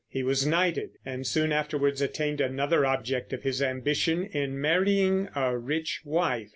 He was knighted, and soon afterwards attained another object of his ambition in marrying a rich wife.